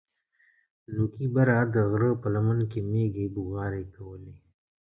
نوکي بره د غره په لمن کښې مېږې بوغارې کولې.